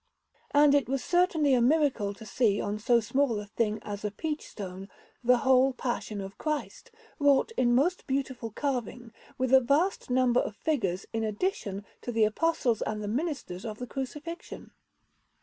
And it was certainly a miracle to see on so small a thing as a peach stone the whole Passion of Christ, wrought in most beautiful carving, with a vast number of figures in addition to the Apostles and the ministers of the Crucifixion.